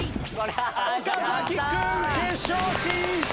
岡君決勝進出！